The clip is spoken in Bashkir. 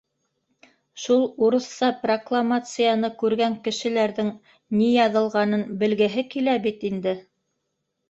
— Шул урыҫса прокламацияны күргән кешеләрҙең ни яҙылғанын белгеһе килә бит инде.